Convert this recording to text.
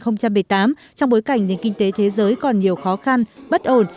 năm hai nghìn một mươi tám trong bối cảnh nền kinh tế thế giới còn nhiều khó khăn bất ổn